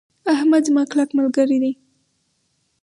احمد زما کلک ملګری ده.